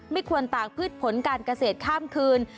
ไม่ควรตากพืชผลการเกษตรข้ามคืน